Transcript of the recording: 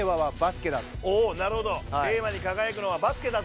おぉなるほど令和に輝くのはバスケだと。